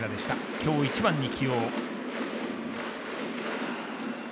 今日、１番に起用。